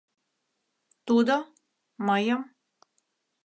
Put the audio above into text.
Тудо... мыйым...